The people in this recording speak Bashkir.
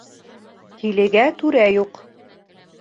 Тилегә түрә юҡ.